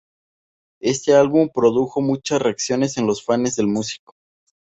Este álbum produjo muchas reacciones en los fanes del músico.